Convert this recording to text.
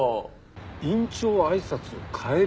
院長挨拶を変える？